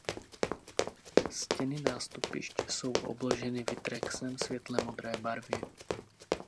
Stěny nástupišť jsou obloženy Vitrexem světle modré barvy.